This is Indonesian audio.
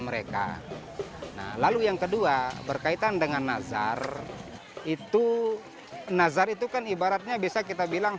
mereka nah lalu yang kedua berkaitan dengan nazar itu nazar itu kan ibaratnya bisa kita bilang